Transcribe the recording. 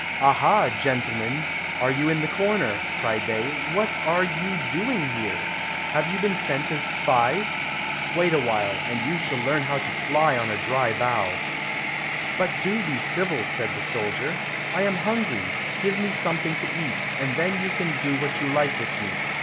"Aha, gentlemen, are you in the corner?" cried they, "What are you doing here? Have you been sent as spies? Wait a while, and you shall learn how to fly on a dry bough." "But do be civil," said the soldier, "I am hungry, give me something to eat, and then you can do what you like with me."